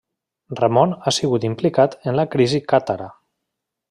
Ramon ha sigut implicat en la crisi càtara.